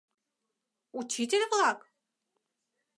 Учитель-влак?